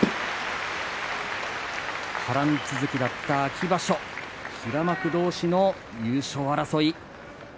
波乱続きだった秋場所平幕同士の優勝争い。